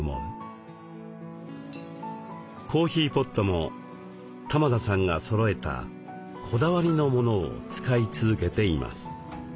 コーヒーポットも玉田さんがそろえたこだわりのものを使い続けています。